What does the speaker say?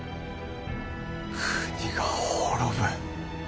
国が滅ぶ。